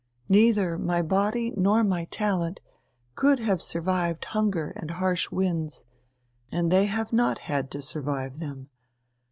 Neither my body nor my talent could have survived hunger and harsh winds, and they have not had to survive them.